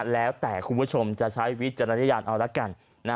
แล้วแต่คุณผู้ชมจะใช้วิจารณญาณเอาละกัน